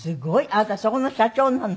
あなたそこの社長なの？